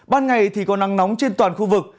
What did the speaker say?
ban ngày thì có nắng nóng trên toàn khu vực